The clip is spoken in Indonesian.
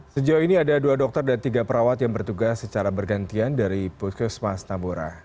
sejauh ini ada dua dokter dan tiga perawat yang bertugas secara bergantian dari puskesmas tambora